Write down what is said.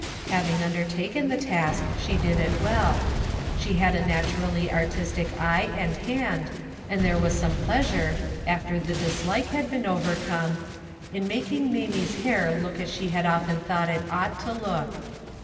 Having undertaken the task, she did it well. She had a naturally artistic eye and hand and there was some pleasure, after the dislike had been overcome, in making Mamie's hair look as she had often thought it ought to look.